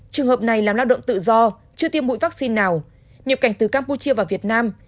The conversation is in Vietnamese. trường hợp này làm lao động tự do chưa tiêm mũi vaccine nào nhập cảnh từ campuchia vào việt nam